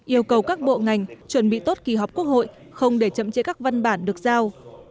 yêu cầu các bộ ngành chuẩn bị tốt kỳ họp quốc hội không để chậm chế các văn bản được giao